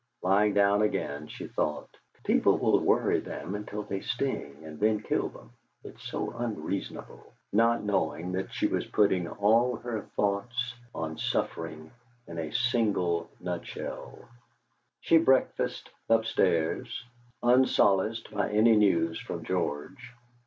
Lying down again, she thought: 'People will worry them until they sting, and then kill them; it's so unreasonable,' not knowing that she was putting all her thoughts on suffering in a single nutshell. She breakfasted upstairs, unsolaced by any news from George.